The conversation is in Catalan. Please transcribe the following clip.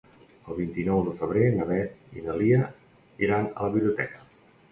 El vint-i-nou de febrer na Beth i na Lia iran a la biblioteca.